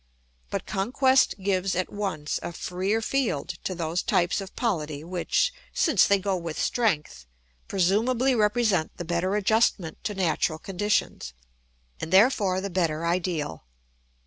But conquest gives at once a freer field to those types of polity which, since they go with strength, presumably represent the better adjustment to natural conditions, and therefore the better ideal.